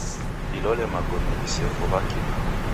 Dilole magome disefo w'akiw'a.